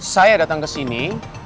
saya datang ke sini